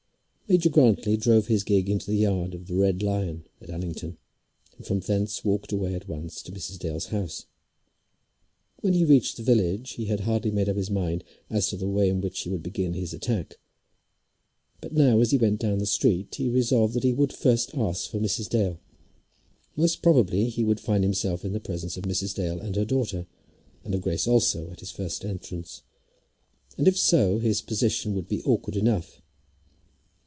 Major Grantly drove his gig into the yard of the "Red Lion" at Allington, and from thence walked away at once to Mrs. Dale's house. When he reached the village he had hardly made up his mind as to the way in which he would begin his attack; but now, as he went down the street, he resolved that he would first ask for Mrs. Dale. Most probably he would find himself in the presence of Mrs. Dale and her daughter, and of Grace also, at his first entrance; and if so, his position would be awkward enough.